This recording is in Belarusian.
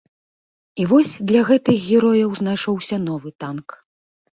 І вось для гэтых герояў знайшоўся новы танк.